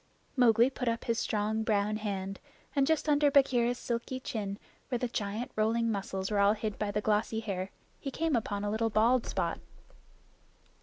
Mowgli put up his strong brown hand, and just under Bagheera's silky chin, where the giant rolling muscles were all hid by the glossy hair, he came upon a little bald spot.